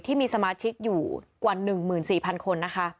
ที่มีสมาชิกอยู่กว่า๑๔๐๐คนนะคะ